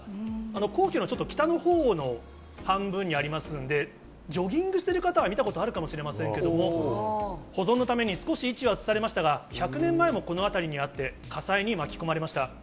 皇居のちょっと北のほうの半分にありますんで、ジョギングしている方は見たことあるかもしれませんけども、保存のために少し位置は移されましたが、１００年前もこの辺りにあって、火災に巻き込まれました。